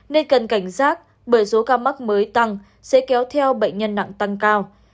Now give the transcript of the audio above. nên cần cảnh giác bởi số ca mắc mới tăng sẽ kéo theo bệnh nhân nặng tăng cao